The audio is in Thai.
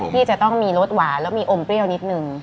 ที่จะต้องมีรสหวานแล้วมีอมเปรี้ยวนิดนึง